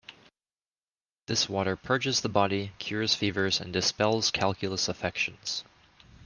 This water purges the body, cures fevers and dispels calculous affections.